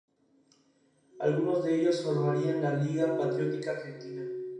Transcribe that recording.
Algunos de ellos formarían la Liga Patriótica Argentina.